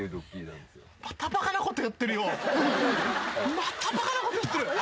またバカなこと言ってるよ。